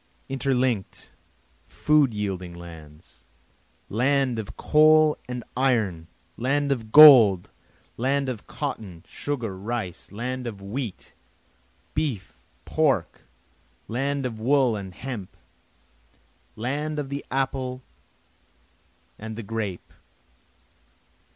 Interlink'd, food yielding lands! Land of coal and iron! land of gold! land of cotton, sugar, rice! Land of wheat, beef, pork! land of wool and hemp! land of the apple and the grape!